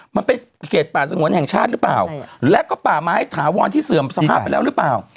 มันเป็นเขตป่าสงวนแห่งชาติหรือเปล่าและก็ป่าไม้ถาวรที่เสื่อมสภาพไปแล้วหรือเปล่า